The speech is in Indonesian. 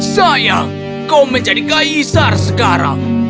sayang kau menjadi kaisar sekarang